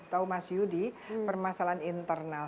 tahu mas yudi permasalahan internal